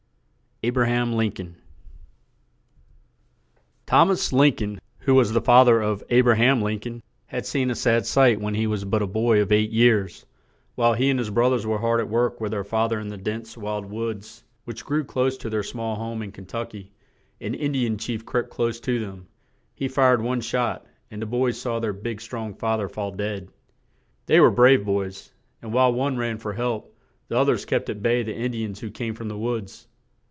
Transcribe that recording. A BRA HAM LIN COLN. Thom as Lin coln, who was the fa ther of A bra ham Lin coln, had seen a sad sight when he was but a boy of eight years; while he and his brothers were hard at work with their fa ther in the dense, wild woods which grew close to their small home in Ken tuck y, an In di an chief crept close to them; he fired one shot, and the boys saw their big, strong fa ther fall dead. They were brave boys, and while one ran for help, the oth ers kept at bay the In di ans who came from the woods.